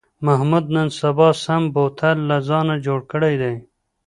محمود نن سبا سم بوتل له ځانه جوړ کړی دی.